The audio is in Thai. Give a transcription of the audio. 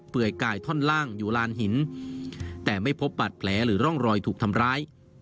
ยกายท่อนล่างอยู่ลานหินแต่ไม่พบบัตรแผลหรือร่องรอยถูกทำร้าย